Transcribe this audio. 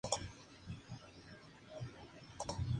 Puede ser un tipo de juego.